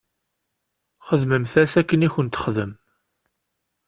Xdmemt-as akken i kent-texdem.